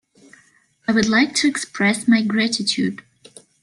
I would like to express my gratitude.